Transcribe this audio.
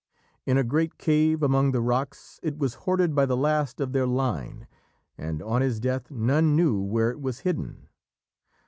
In a great cave among the rocks it was hoarded by the last of their line, and on his death none knew where it was hidden.